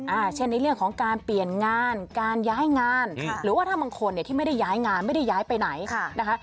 เช่นในเรื่องของการเปลี่ยนงานการย้ายงานค่ะหรือว่าถ้าบางคนเนี่ยที่ไม่ได้ย้ายงานไม่ได้ย้ายไปไหนค่ะนะคะ